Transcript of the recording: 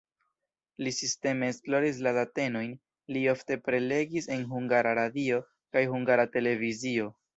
Li sisteme esploris la datenojn, li ofte prelegis en Hungara Radio kaj Hungara Televizio.